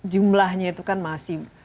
jumlahnya itu kan masih